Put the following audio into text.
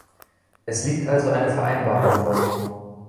Es liegt also eine Vereinbarung vor.